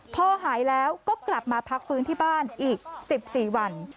พอหายแล้วก็กลับมาพักฟื้นที่บ้านอีก๑๔วัน